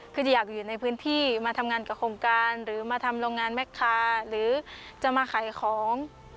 คือจะอยากอยู่ในพื้นที่มาทำงานกับโครงการหรือมาทำโรงงานแม่ค้าหรือจะมาขายของ